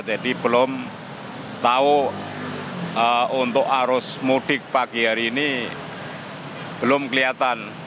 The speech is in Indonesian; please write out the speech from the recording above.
jadi belum tahu untuk arus mudik pagi hari ini belum kelihatan